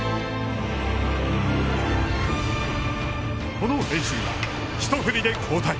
この練習は、一振りで交代。